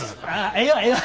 ええわええわ。